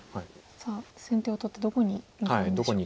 さあ先手を取ってどこに向かうんでしょうか。